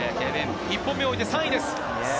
１本目を終えて３位です。